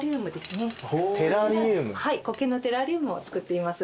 苔のテラリウムをつくっています。